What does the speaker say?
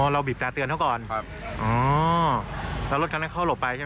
นี่อ่ะสลักตัวนี้ครับ